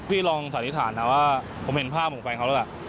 ลองสันนิษฐานนะว่าผมเห็นภาพของแฟนเขาแล้วล่ะ